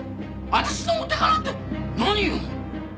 私のお手柄って何よ？